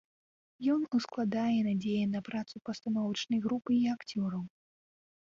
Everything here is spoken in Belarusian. Ён ускладае надзеі на працу пастановачнай групы і акцёраў.